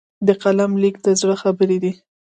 د قلم لیک د زړه خبرې دي.